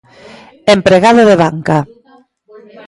Empregado de banca.